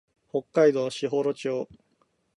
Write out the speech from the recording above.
北海道士幌町